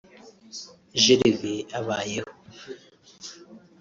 Gervais Abayeho